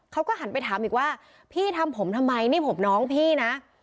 เขาก็หันไปถามอีกว่าพี่ทำผมทำไมนี่ผมน้องพี่นะ